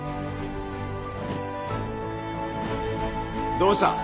どうした？